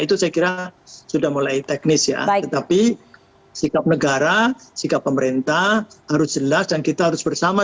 itu saya kira sudah mulai teknis ya tetapi sikap negara sikap pemerintah harus jelas dan kita harus bersama